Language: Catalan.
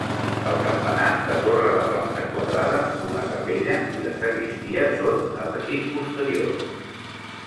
El campanar de torre de planta quadrada, una capella i la sagristia són afegits posteriors.